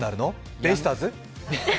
ベイスターズ？